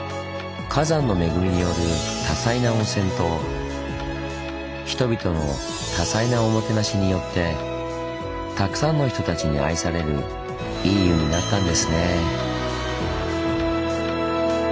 火山の恵みによる「多彩な温泉」と人々の「多彩なおもてなし」によってたくさんの人たちに愛されるいい湯になったんですね。